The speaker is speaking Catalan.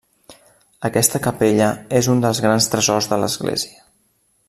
Aquesta capella és un dels grans tresors de l'església.